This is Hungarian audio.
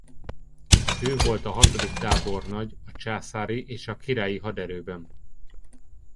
Ő volt a hatodik tábornagy a császári és királyi haderőben.